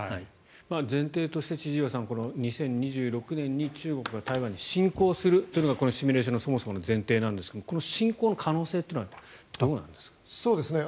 前提として千々岩さん、２０２６年に中国が台湾に進攻するというのがこのシミュレーションのそもそもの前提ですが進攻の可能性はどうですか？